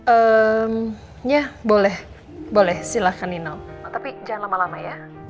ehmnya boleh boleh silahkan nino tapi jangan lama lama ya